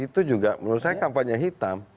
itu juga menurut saya kampanye hitam